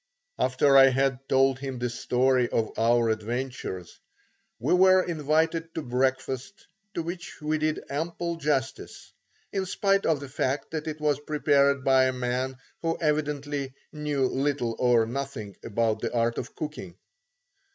After I had told him the story of our adventures, we were invited to breakfast to which we did ample justice, in spite of the fact that it was prepared by a man who evidently knew little or nothing about the art of cooking.